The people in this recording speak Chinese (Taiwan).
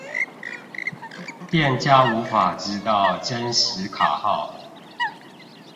店家無法知道真實卡號